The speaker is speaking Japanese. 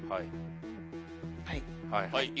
はい。